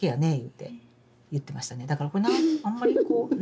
だからこれあんまりこう。